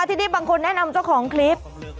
ทีนี้บางคนแนะนำเจ้าของคลิป